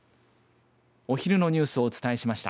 お昼のニュースをお伝えしました。